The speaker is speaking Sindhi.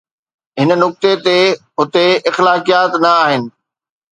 هن نقطي تي هتي اخلاقيات نه آهن.